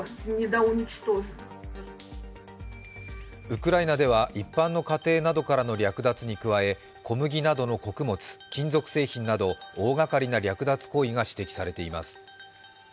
ウクライナでは一般の家庭などからの略奪に加え小麦などの穀物、金属製品など大がかりな略奪行為が指摘されています。